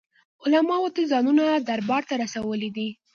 علماوو تل ځانونه دربار ته رسولي دي.